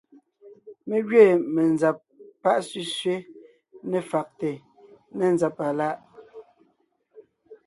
Mé gẅiin menzab pá sẅísẅé ne fàgte ne nzàba láʼ.